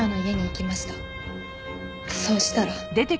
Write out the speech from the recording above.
そうしたら。